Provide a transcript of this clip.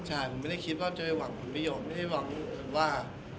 ใช่ผมไม่ได้คิดว่าจะไปหวังผลประโยชน์ไม่ได้หวังว่า